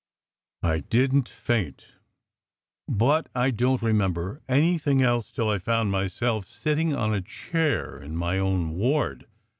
I didn t faint, but I don t remember anything else till I found myself sitting on a chair in my own ward.